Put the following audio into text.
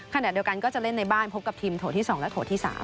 ขณะเดียวกันก็จะเล่นในบ้านพบกับทีมโถที่๒และโถที่๓